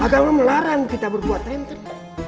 agama melarang kita berbuat handphone